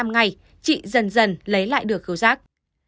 ngày chị dần dần lấy lại được khứu sát